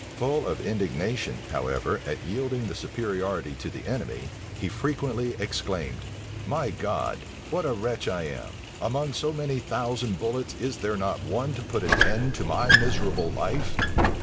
Full of indignation, however, at yielding the superiority to the enemy, he frequently exclaimed, "My God! what a wretch am I! Among so many thousand bullets, is there not one to put an end to my miserable life?"